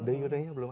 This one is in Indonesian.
de jure nya belum ya